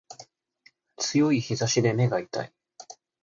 強い日差しで目が痛い